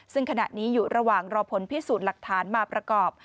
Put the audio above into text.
ซึ่งขณะนี้อยู่ระหว่างรอผลพิสูจน์หลักฐานมาประกอบ